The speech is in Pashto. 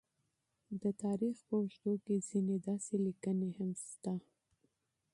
د تاریخ په اوږدو کې ځینې داسې لیکنې هم شته،